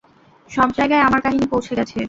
সবজায়গায় আমার কাহিনি পৌঁছে গেছে।